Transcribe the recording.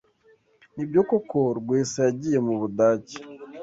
Nibyo koko Rwesa yagiye mubudage?